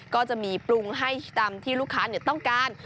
ก็จะมีปรุงให้ตามที่ลูกค้าต้องการ